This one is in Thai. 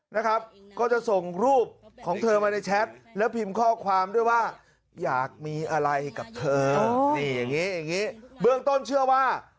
อย่างนี้อย่างนี้